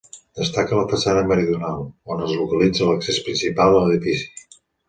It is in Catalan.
Destaca la façana meridional, on es localitza l'accés principal a l'edifici.